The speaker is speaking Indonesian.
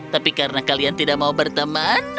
tapi karena kalian tidak mau berteman